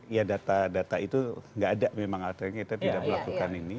ya data data itu nggak ada memang artinya kita tidak melakukan ini